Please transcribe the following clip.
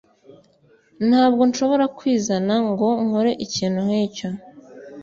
Ntabwo nshobora kwizana ngo nkore ikintu nkicyo